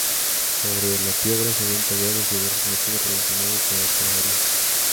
Sobre la piedra se ven tallados diversos motivos relacionados con el Calvario.